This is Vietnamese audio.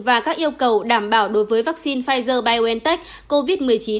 và các yêu cầu đảm bảo đối với vaccine pfizer biontech covid một mươi chín